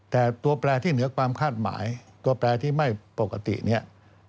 แต่ตัวแปลที่เหนือความคาดหมายตัวแปลที่ไม่ปกติเนี่ย